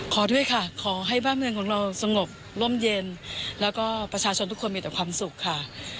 ด้วยค่ะขอให้บ้านเมืองของเราสงบร่มเย็นแล้วก็ประชาชนทุกคนมีแต่ความสุขค่ะ